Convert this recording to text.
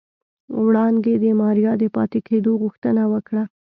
وړانګې د ماريا د پاتې کېدو غوښتنه وکړه.